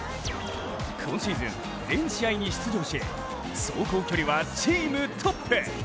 今シーズン、全試合に出場し走行距離はチームトップ。